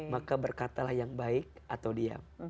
maka berkatalah yang baik atau diam